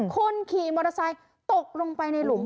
คนขี่มอเตอร์ไซค์ตกลงไปในหลุม